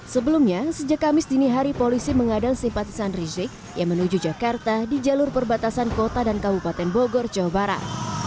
sebelumnya sejak kamis dini hari polisi mengadang simpatisan rizik yang menuju jakarta di jalur perbatasan kota dan kabupaten bogor jawa barat